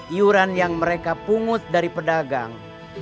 iuran yang mereka pungut dari pedagang